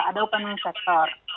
ada upah minum sektor